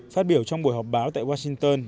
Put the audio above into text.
phát biểu trong buổi họp báo tại washington